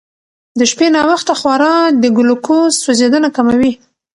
د شپې ناوخته خورا د ګلوکوز سوځېدنه کموي.